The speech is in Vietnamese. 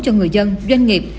cho người dân doanh nghiệp